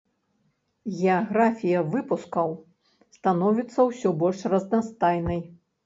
Геаграфія выпускаў становіцца ўсё больш разнастайнай.